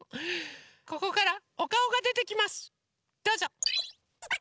ここからおかおがでてきますどうぞ！